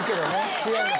違います。